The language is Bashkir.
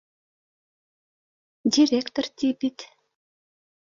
— Директор, ти бит